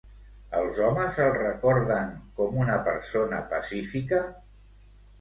Els homes el recorden com una persona pacífica?